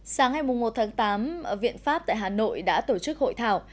sáng ngày một tháng tám viện pháp tại hà nội đã tổ chức hội thảo